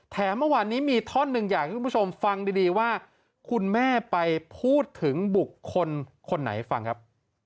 เมื่อวานนี้มีท่อนหนึ่งอยากให้คุณผู้ชมฟังดีว่าคุณแม่ไปพูดถึงบุคคลคนไหนฟังครับ